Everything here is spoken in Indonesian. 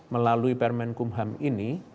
melalui permen kumham ini